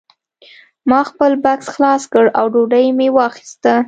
ما خپل بکس خلاص کړ او ډوډۍ مې راواخیسته